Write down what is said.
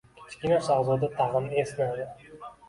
Kichkina shahzoda tag‘in esnadi.